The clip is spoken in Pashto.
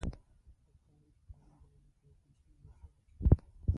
د پلانک قانون د رڼا فریکونسي او انرژي اړیکې ښيي.